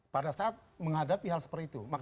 pada saat menghadapi hal seperti itu